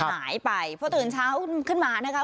หายไปพอตื่นเช้าขึ้นมานะคะ